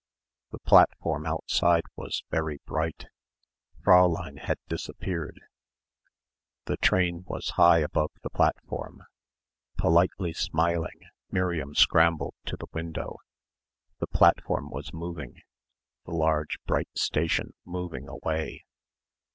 The platform outside was very bright. Fräulein had disappeared. The train was high above the platform. Politely smiling Miriam scrambled to the window. The platform was moving, the large bright station moving away.